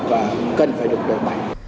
và cần phải được đổi bày